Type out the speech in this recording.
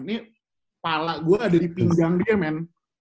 ini pala gue ada di pinggang dia men